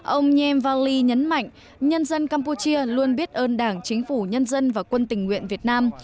ông nhem vany nhấn mạnh nhân dân campuchia luôn biết ơn đảng chính phủ nhân dân và quân tình nguyện việt nam